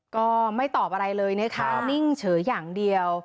ก็ไม่ตอบอะไรเลยนะคะนิ่งเฉยอย่างเดียว